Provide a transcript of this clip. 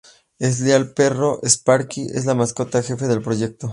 El leal perro, Sparky, es la Mascota Jefe del proyecto.